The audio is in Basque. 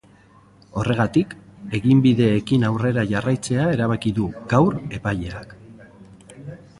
Horregatik, eginbideekin aurrera jarraitzea erabaki du gaur epaileak.